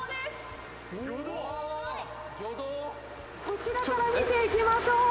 こちらから見ていきましょう。